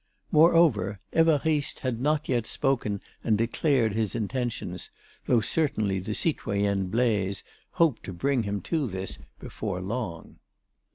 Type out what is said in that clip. Moreover, Évariste had not yet spoken and declared his intentions, though certainly the citoyenne Blaise hoped to bring him to this before long.